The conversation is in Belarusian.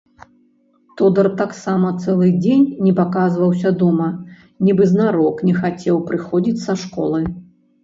Тодар таксама цэлы дзень не паказваўся дома, нібы знарок не хацеў прыходзіць са школы.